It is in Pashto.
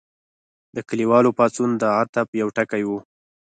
د کلیوالو پاڅون د عطف یو ټکی و.